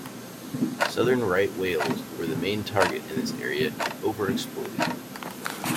Southern right whales were the main target in this area and over expoited.